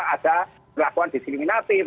ada perlakuan diseliminatif